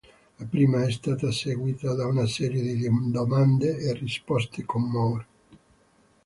La prima è stata seguita da una serie di domande e risposte con Moore.